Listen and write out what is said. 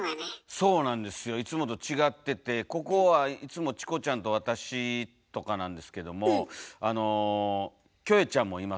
そうなんですよいつもと違っててここはいつもチコちゃんと私とかなんですけどもあのキョエちゃんもいますよ今日は。